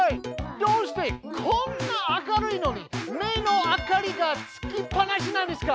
どうしてこんな明るいのに目の明かりがつきっぱなしなんですか。